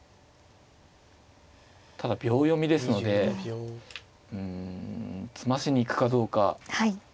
ただ秒読みですのでうん詰ましに行くかどうか。